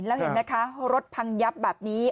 แล้วเห็นไหมคะรถพังยับแบบนี้